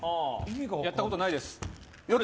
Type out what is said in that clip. やったことないです。